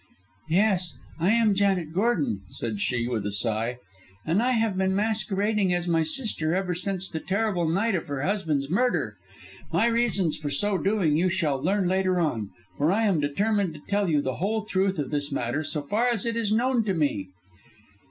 "Yes, I am Janet Gordon," said she, with a sigh, "and I have been masquerading as my sister ever since the terrible night of her husband's murder. My reasons for so doing you shall learn later on, for I am determined to tell you the whole truth of this matter so far as it is known to me."